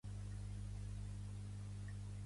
Ningú està defensant el No i altres defenen el Si.